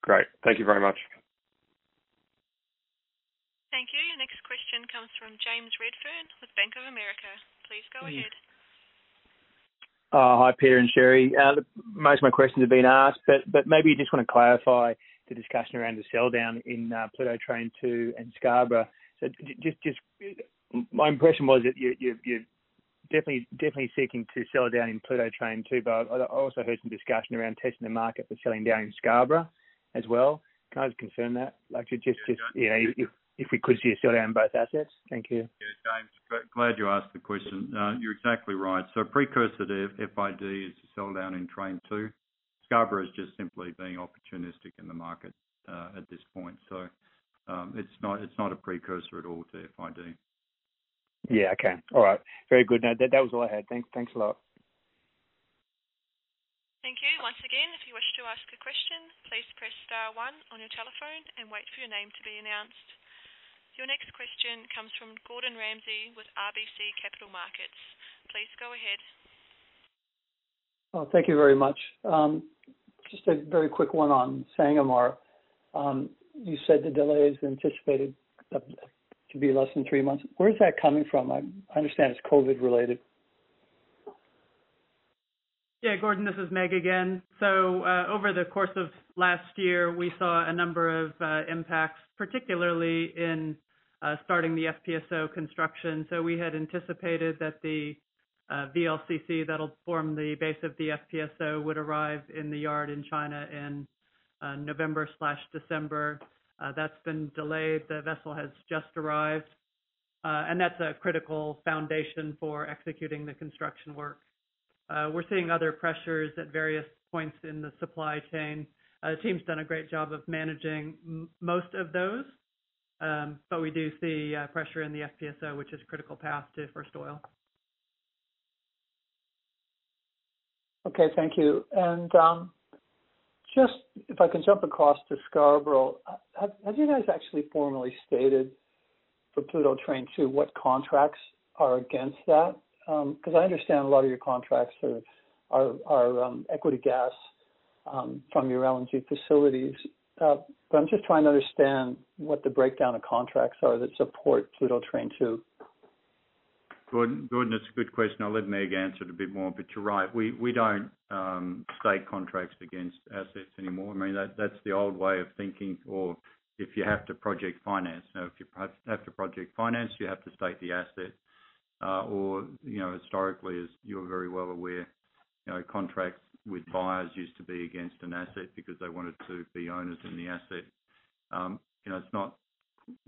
Great. Thank you very much. Thank you. Your next question comes from James Redfern with Bank of America. Please go ahead. Hi, Peter and Sherry. Most of my questions have been asked, but maybe you just want to clarify the discussion around the sell down in Pluto Train 2 and Scarborough. Just my impression was that you're definitely seeking to sell down in Pluto Train 2, but I also heard some discussion around testing the market for selling down in Scarborough as well. Can I just confirm that? Yeah. If we could see a sell down both assets. Thank you. Yeah, James, glad you asked the question. You're exactly right. Precursive FID is to sell down in Train 2. Scarborough is just simply being opportunistic in the market at this point. It's not a precursor at all to FID. Yeah. Okay. All right. Very good. No, that was all I had. Thanks a lot. Thank you. Once again, if you wish to ask a question, please press star one on your telephone and wait for your name to be announced. Your next question comes from Gordon Ramsay with RBC Capital Markets. Please go ahead. Thank you very much. Just a very quick one on Sangomar. You said the delay is anticipated to be less than three months. Where is that coming from? I understand it's COVID related. Yeah, Gordon, this is Meg again. Over the course of last year, we saw a number of impacts, particularly in starting the FPSO construction. We had anticipated that the VLCC that'll form the base of the FPSO would arrive in the yard in China in November/December. That's been delayed. The vessel has just arrived. That's a critical foundation for executing the construction work. We're seeing other pressures at various points in the supply chain. The team's done a great job of managing most of those. We do see pressure in the FPSO, which is a critical path to first oil. Okay. Thank you. Just if I can jump across to Scarborough, have you guys actually formally stated for Pluto Train 2 what contracts are against that? I understand a lot of your contracts are equity gas from your LNG facilities. I'm just trying to understand what the breakdown of contracts are that support Pluto Train 2. Gordon, it's a good question. I'll let Meg answer it a bit more. You're right. We don't state contracts against assets anymore. That's the old way of thinking, or if you have to project finance. If you have to project finance, you have to state the asset. Historically, as you're very well aware, contracts with buyers used to be against an asset because they wanted to be owners in the asset. It's not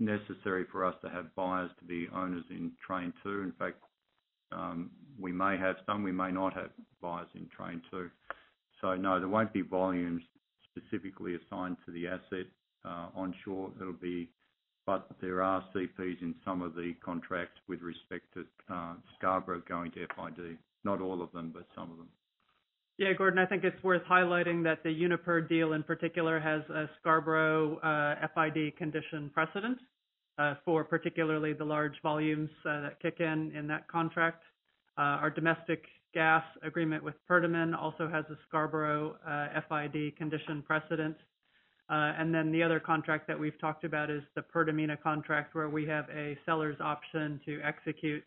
necessary for us to have buyers to be owners in Train 2. In fact, we may have some, we may not have buyers in Train 2. No, there won't be volumes specifically assigned to the asset onshore. There are CPs in some of the contracts with respect to Scarborough going to FID, not all of them, but some of them. Yeah, Gordon, I think it's worth highlighting that the Uniper deal in particular has a Scarborough FID condition precedent, for particularly the large volumes that kick in in that contract. Our domestic gas agreement with Pertamina also has a Scarborough FID condition precedent. The other contract that we've talked about is the Pertamina contract, where we have a seller's option to execute.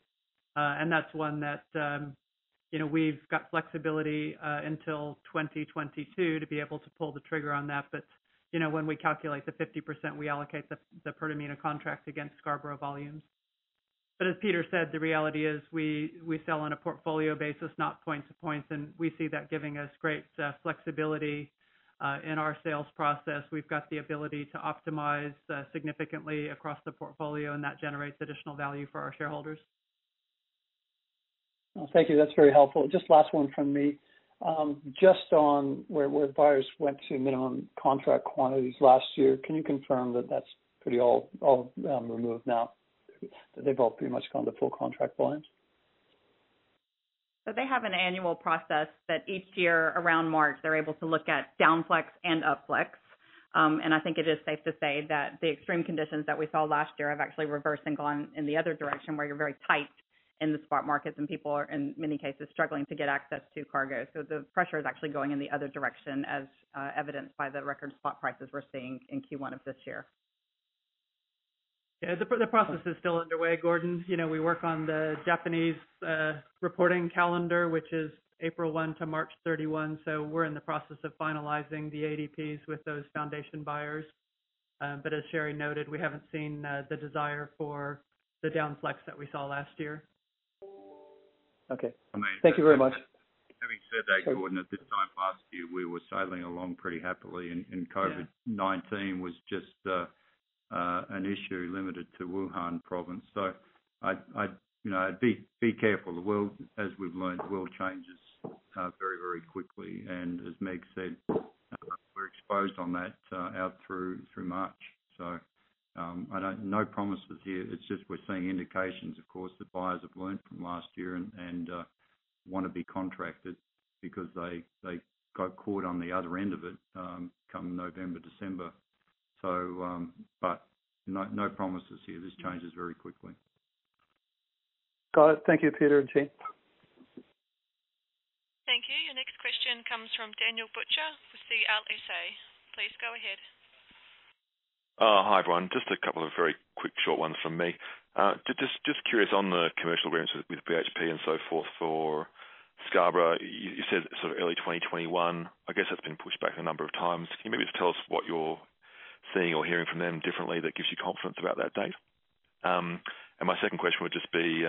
That's one that we've got flexibility until 2022 to be able to pull the trigger on that. When we calculate the 50%, we allocate the Pertamina contract against Scarborough volumes. As Peter said, the reality is we sell on a portfolio basis, not point to points, and we see that giving us great flexibility in our sales process. We've got the ability to optimize significantly across the portfolio, that generates additional value for our shareholders. Thank you. That's very helpful. Just last one from me. Just on where buyers went to minimum contract quantities last year, can you confirm that that's pretty all removed now? That they've all pretty much gone to full contract volumes? They have an annual process that each year around March, they're able to look at down flex and up flex. I think it is safe to say that the extreme conditions that we saw last year have actually reversed and gone in the other direction, where you're very tight in the spot markets, and people are, in many cases, struggling to get access to cargo. The pressure is actually going in the other direction, as evidenced by the record spot prices, we're seeing in Q1 of this year. Yeah. The process is still underway, Gordon. We work on the Japanese reporting calendar, which is April 1 to March 31. We're in the process of finalizing the ADPs with those foundation buyers. As Sherry noted, we haven't seen the desire for the down flex that we saw last year. Okay. Thank you very much. Having said that, Gordon, at this time last year, we were sailing along pretty happily and COVID-19 was just an issue limited to Wuhan province. I'd be careful. As we've learned, the world changes very quickly. As Meg said, we're exposed on that out through March. No promises here. It's just we're seeing indications, of course, that buyers have learned from last year and want to be contracted because they got caught on the other end of it come November, December. No promises here. This changes very quickly. Got it. Thank you, Peter and [Jane]. Thank you. Your next question comes from Daniel Butcher with CLSA. Please go ahead. Hi, everyone. Just a couple of very quick short ones from me. Just curious on the commercial agreements with BHP and so forth for Scarborough, you said early 2021. I guess that's been pushed back a number of times. Can you maybe just tell us what you're seeing or hearing from them differently that gives you confidence about that date? My second question would just be,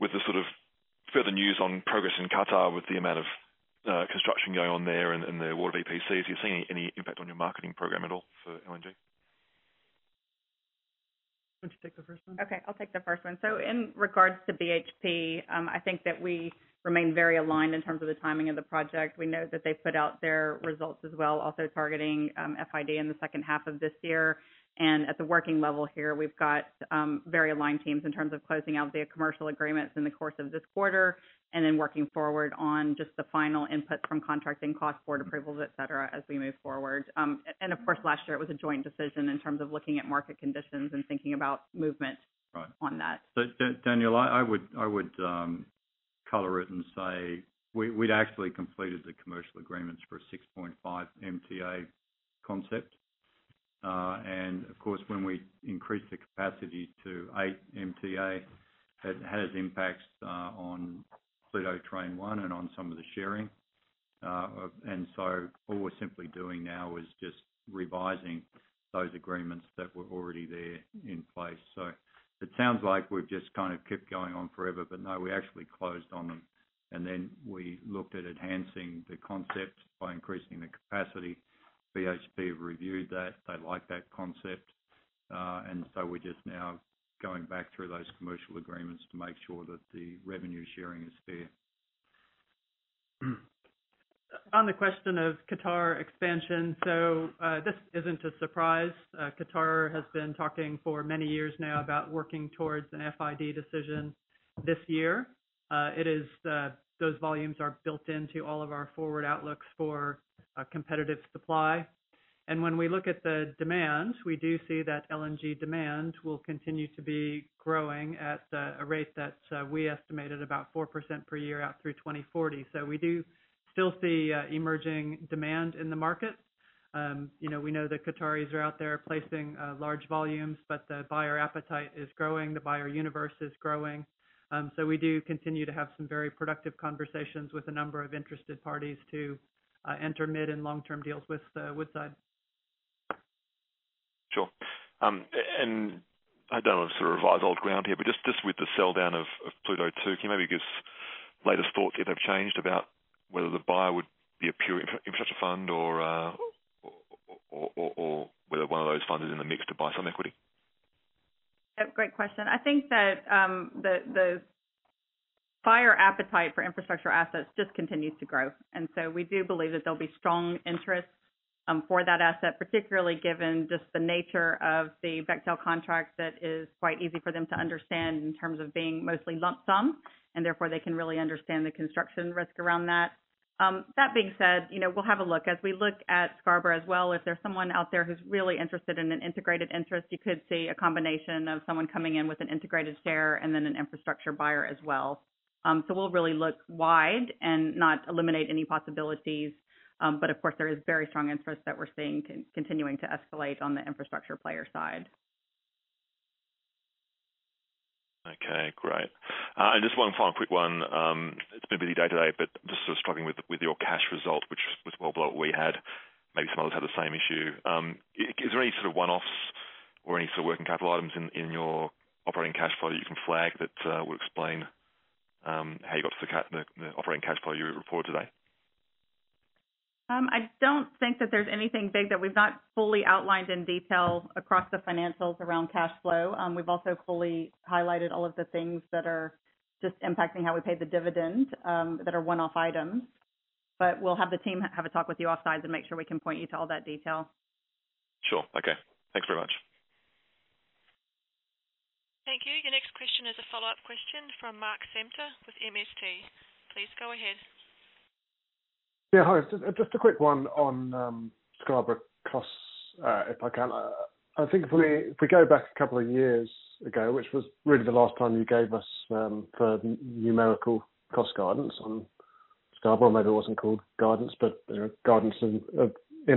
with the further news on progress in Qatar, with the amount of construction going on there and the award of EPCs, are you seeing any impact on your marketing program at all for LNG? Do you want to take the first one? Okay, I'll take the first one. In regards to BHP, I think that we remain very aligned in terms of the timing of the project. We know that they put out their results as well, also targeting FID in the second half of this year. At the working level here, we've got very aligned teams in terms of closing out the commercial agreements in the course of this quarter, then working forward on just the final inputs from contracting cost board approvals, et cetera, as we move forward. Of course, last year it was a joint decision in terms of looking at market conditions and thinking about movement- Right On that. Daniel, I would color it and say we'd actually completed the commercial agreements for 6.5 MTA concept. Of course, when we increased the capacity to eight MTA, it has impacts on Pluto Train 1 and on some of the sharing. What we're simply doing now is just revising those agreements that were already there in place. It sounds like we've just kept going on forever. No, we actually closed on them, then we looked at enhancing the concept by increasing the capacity. BHP reviewed that. They like that concept. We're just now going back through those commercial agreements to make sure that the revenue sharing is fair. On the question of Qatar expansion. This isn't a surprise. Qatar has been talking for many years now about working towards an FID decision this year. Those volumes are built into all of our forward outlooks for competitive supply. When we look at the demand, we do see that LNG demand will continue to be growing at a rate that we estimated about 4% per year out through 2040. We do still see emerging demand in the market. We know the Qataris are out there placing large volumes, but the buyer appetite is growing, the buyer universe is growing. We do continue to have some very productive conversations with a number of interested parties to enter mid and long-term deals with Woodside. Sure. I don't want to sort of revise old ground here, but just with the sell-down of Pluto 2, can you maybe give us latest thoughts if they've changed about whether the buyer would be a pure infrastructure fund or whether one of those funds is in the mix to buy some equity? Yep. Great question. I think that the buyer appetite for infrastructure assets just continues to grow, and so we do believe that there'll be strong interest for that asset, particularly given just the nature of the Bechtel contract that is quite easy for them to understand in terms of being mostly lump sum, and therefore, they can really understand the construction risk around that. That being said, we'll have a look. As we look at Scarborough as well, if there's someone out there who's really interested in an integrated interest, you could see a combination of someone coming in with an integrated share and then an infrastructure buyer as well. We'll really look wide and not eliminate any possibilities. Of course, there is very strong interest that we're seeing continuing to escalate on the infrastructure player side. Okay, great. Just one final quick one. It's been a busy day today, but just struggling with your cash result, which was well below what we had. Maybe some others had the same issue. Is there any sort of one-offs or any sort of working capital items in your operating cash flow that you can flag that will explain how you got to the operating cash flow you reported today? I don't think that there's anything big that we've not fully outlined in detail across the financials around cash flow. We've also fully highlighted all of the things that are just impacting how we pay the dividends that are one-off items. We'll have the team have a talk with you off side to make sure we can point you to all that detail. Sure. Okay. Thanks very much. Thank you. Your next question is a follow-up question from Mark Samter with MST. Please go ahead. Yeah. Hi. Just a quick one on Scarborough costs, if I can. I think if we go back a couple of years ago, which was really the last time you gave us numerical cost guidance on Scarborough, maybe it wasn't called guidance, but guidance in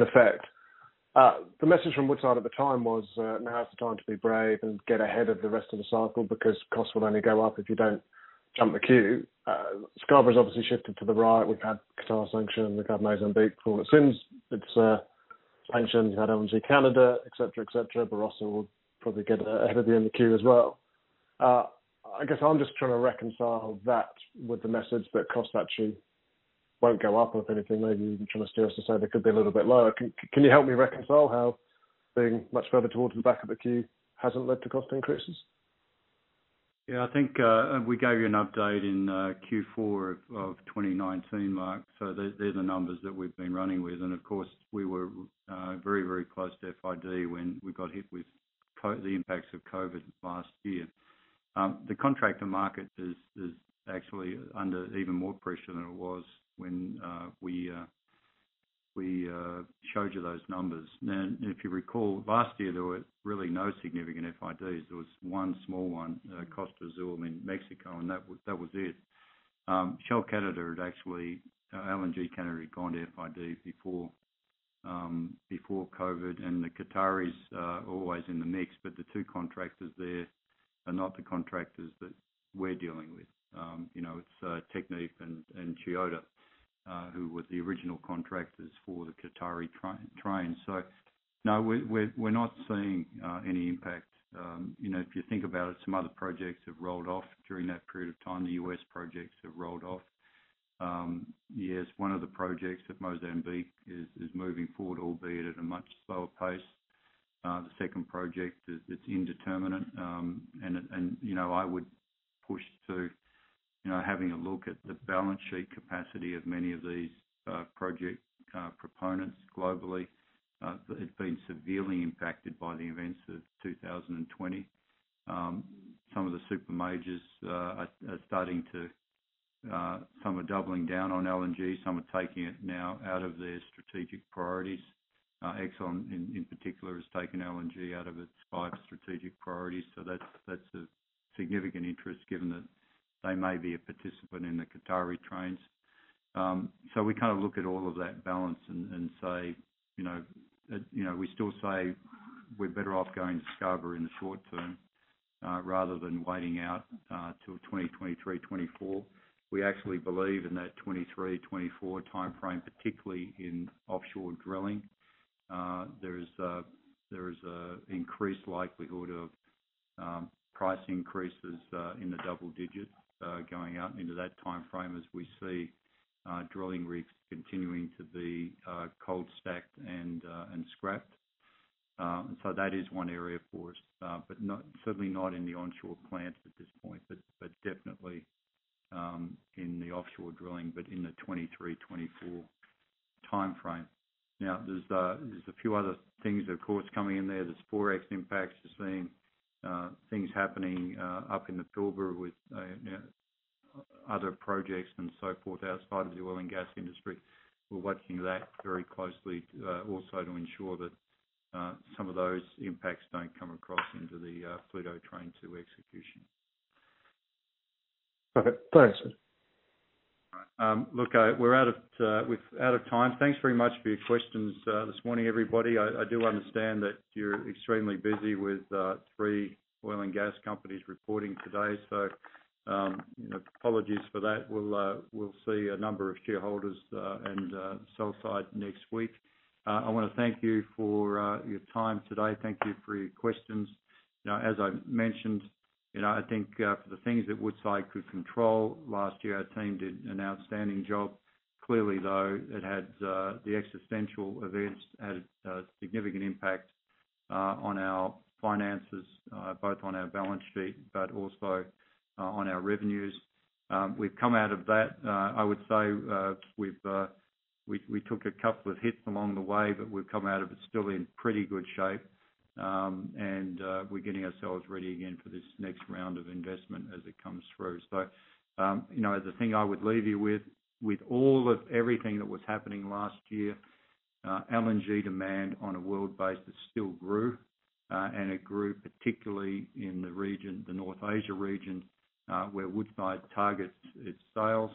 effect. The message from Woodside at the time was, now is the time to be brave and get ahead of the rest of the cycle because costs will only go up if you don't jump the queue. Scarborough has obviously shifted to the right. We've had Qatar sanctioned, we've had Mozambique since its sanctions. We've had LNG Canada, et cetera. Barossa will probably get ahead of you in the queue as well. I guess I'm just trying to reconcile that with the message that costs actually won't go up. If anything, maybe even trying to steer us to say they could be a little bit lower. Can you help me reconcile how being much further towards the back of the queue hasn't led to cost increases? Yeah, I think we gave you an update in Q4 of 2019, Mark. They're the numbers that we've been running with. Of course, we were very close to FID when we got hit with the impacts of COVID last year. The contractor market is actually under even more pressure than it was when we showed you those numbers. If you recall, last year there were really no significant FIDs. There was one small one, Costa Azul in Mexico, and that was it. Shell Canada had actually, LNG Canada had gone to FID before COVID, and the Qataris are always in the mix, but the two contractors there are not the contractors that we're dealing with. It's Technip and Chiyoda who were the original contractors for the Qatari train. No, we're not seeing any impact. If you think about it, some other projects have rolled off during that period of time. The U.S. projects have rolled off. Yes, one of the projects at Mozambique is moving forward, albeit at a much slower pace. The second project is indeterminate. I would push to having a look at the balance sheet capacity of many of these project proponents globally. It's been severely impacted by the events of 2020. Some of the super majors are starting to. Some are doubling down on LNG; some are taking it now out of their strategic priorities. Exxon, in particular, has taken LNG out of its five strategic priorities. That's a significant interest given that they may be a participant in the Qatari trains. We look at all of that balance and we still say we're better off going to Scarborough in the short term, rather than waiting out till 2023, 2024. We actually believe in that 2023, 2024 timeframe, particularly in offshore drilling. There is increased likelihood of price increases in the double-digit going out into that timeframe as we see drilling rigs continuing to be cold stacked and scrapped. That is one area for us. Certainly not in the onshore plants at this point, but definitely in the offshore drilling, but in the 2023, 2024 timeframe. There's a few other things, of course, coming in there. There's 4x impacts we're seeing, things happening up in the Pilbara with other projects and so forth outside of the oil and gas industry. We're watching that very closely also to ensure that some of those impacts don't come across into the Pluto Train 2 execution. Okay, thanks. Look, we're out of time. Thanks very much for your questions this morning, everybody. I do understand that you're extremely busy with three oil and gas companies reporting today. Apologies for that. We'll see a number of shareholders and sell side next week. I want to thank you for your time today. Thank you for your questions. As I mentioned, I think for the things that Woodside could control last year, our team did an outstanding job. Clearly, though, the existential events had a significant impact on our finances, both on our balance sheet, but also on our revenues. We've come out of that. I would say we took a couple of hits along the way, but we've come out of it still in pretty good shape. We're getting ourselves ready again for this next round of investment as it comes through. The thing I would leave you with all of everything that was happening last year, LNG demand on a world basis still grew. It grew particularly in the region, the North Asia region, where Woodside targets its sales,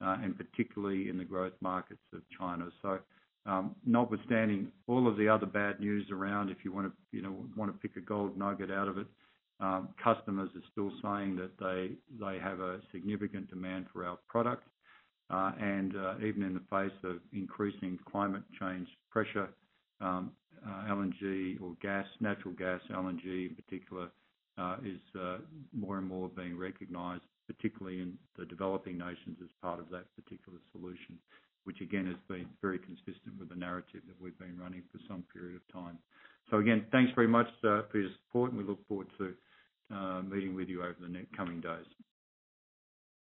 and particularly in the growth markets of China. Notwithstanding all of the other bad news around, if you want to pick a gold nugget out of it, customers are still saying that they have a significant demand for our product. Even in the face of increasing climate change pressure, LNG or gas, natural gas, LNG in particular, is more and more being recognized, particularly in the developing nations as part of that particular solution, which again, has been very consistent with the narrative that we've been running for some period of time. Again, thanks very much for your support, and we look forward to meeting with you over the coming days.